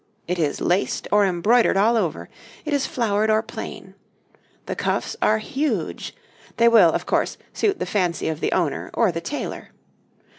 It is laced or embroidered all over; it is flowered or plain. The cuffs are huge; they will, of course, suit the fancy of the owner, or the tailor.